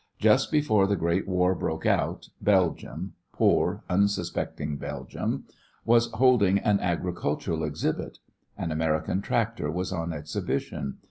Just before the great war broke out, Belgium poor unsuspecting Belgium was holding an agricultural exhibit. An American tractor was on exhibition.